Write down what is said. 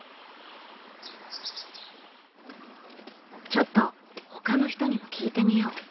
ちょっとほかの人にも聞いてみよう。